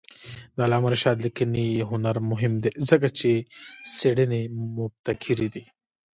د علامه رشاد لیکنی هنر مهم دی ځکه چې څېړنې مبتکرې دي.